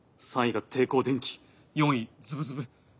３位が「帝工電機」４位「ズブズブ」。